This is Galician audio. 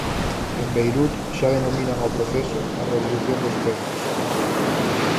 En Beirut xa denominan ao proceso "a revolución dos cedros".